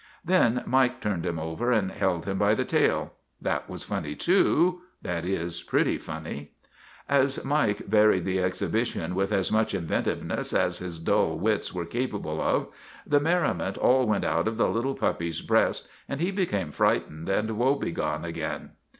Then Mike turned him over and held him by the tail. That was funny, too that is, pretty funny. As Mike varied the exhibition with as much inventiveness as his dull wits were capable of, the merriment all went out of the little pup's breast, and he became frightened and woe begone again.